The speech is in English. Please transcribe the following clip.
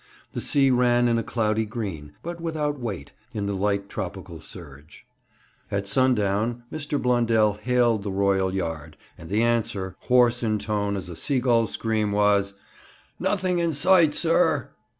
The sea ran in a cloudy green, but without weight, in the light tropic surge. At sundown Mr. Blundell hailed the royal yard, and the answer, hoarse in tone as a seagull's scream, was: 'Nothing in sight, sir.'